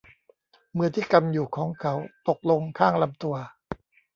มือที่กำอยู่ของเขาตกลงข้างลำตัว